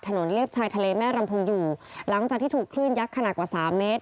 เลียบชายทะเลแม่รำพึงอยู่หลังจากที่ถูกคลื่นยักษ์ขนาดกว่าสามเมตร